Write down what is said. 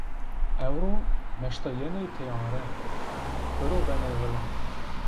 Ewro, meşte yenê têare, birro benê vıla.